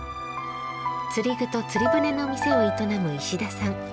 釣り具と釣り船の店を営む石田さん。